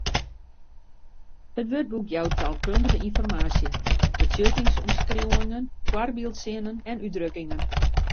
It wurdboek jout taalkundige ynformaasje, betsjuttingsomskriuwingen, foarbyldsinnen en útdrukkingen.